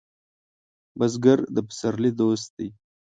بزګر د پسرلي دوست دی